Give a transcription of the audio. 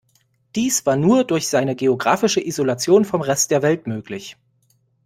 Dies war nur durch seine geografische Isolation vom Rest der Welt möglich.